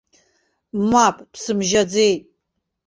Мап бсымжьаӡеит.